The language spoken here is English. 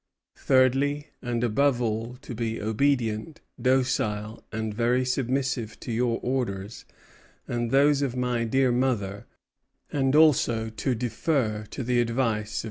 Thirdly, and above all, to be obedient, docile, and very submissive to your orders and those of my dear mother; and also to defer to the advice of M.